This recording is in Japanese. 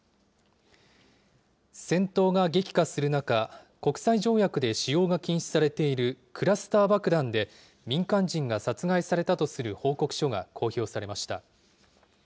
戦闘が激化する中、国際条約で使用が禁止されているクラスター爆弾で、民間人が殺害されたとする報告書が公表されました。